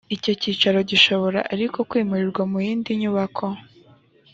icyo cyicaro gishobora ariko kwimurirwa mu yindi nyubako